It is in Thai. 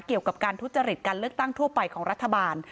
เกี่ยวกับการทุจริตการเลือกตั้งทั่วไปของรัฐบาล